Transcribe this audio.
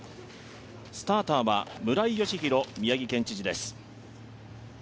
スターターは村井嘉浩宮城県知事です。